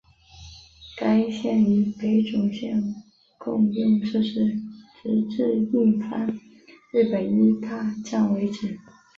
该线与北总线共用设施直至印幡日本医大站为止。